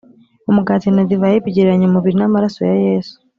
Umugati na divayi bigereranya umubiri n amaraso ya Yesu